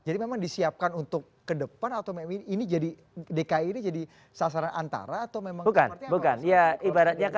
jadi memang disiapkan untuk ke depan atau dki ini jadi sasaran antara atau memang seperti apa